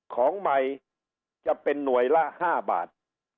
ของเดิมไทยจะเป็นหน่วยละ๕บาท